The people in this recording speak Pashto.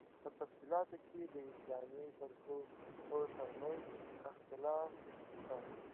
په تفصیلاتو کې یې د اسلامي فرقو تر منځ اختلاف شته.